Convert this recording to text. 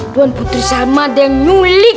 tuan putri salma ada yang nyulik